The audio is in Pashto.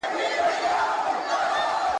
زه خالق یم را لېږلې زه مي زېری د یزدان یم ..